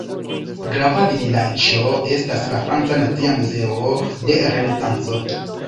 Grava vidindaĵo estas la franca nacia muzeo de renesanco.